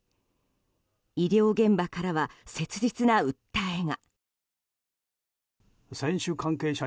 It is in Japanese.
医療現場からは切実な訴えが。